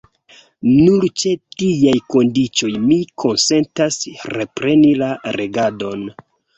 Nur ĉe tiaj kondiĉoj mi konsentas repreni la regadon.